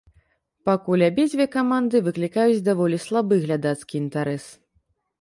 Пакуль абедзве каманды выклікаюць даволі слабы глядацкі інтарэс.